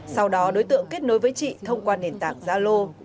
sau đó đối tượng kết nối với chị thông qua nền tảng zalo